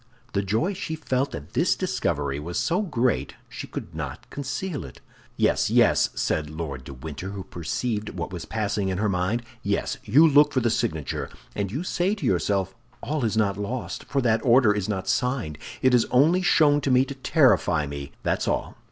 The joy she felt at this discovery was so great she could not conceal it. "Yes, yes," said Lord de Winter, who perceived what was passing in her mind; "yes, you look for the signature, and you say to yourself: 'All is not lost, for that order is not signed. It is only shown to me to terrify me, that's all.